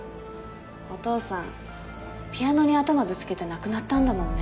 お父さんピアノに頭ぶつけて亡くなったんだもんね。